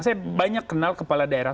saya banyak kenal kepala daerah